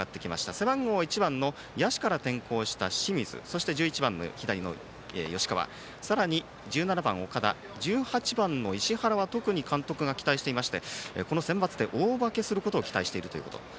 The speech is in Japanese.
背番号１番野手から転向した清水１１番、左の吉川さらに１７番、岡田１８番の石原は特に監督は期待していてこのセンバツで大化けすることを期待しているということです。